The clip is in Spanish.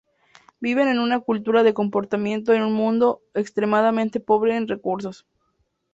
Viven en una cultura de compartición en un mundo extremadamente pobre en recursos.